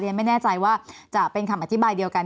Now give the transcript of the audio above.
ไม่แน่ใจว่าจะเป็นคำอธิบายเดียวกัน